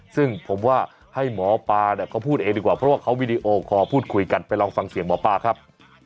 ซึ่งผมว่าให้หมอปลาเนี่ยเขาพูดเองดีกว่าเพราะว่าเขาวีดีโอคอลพูดคุยกันไปลองฟังเสียงหมอปลาครับ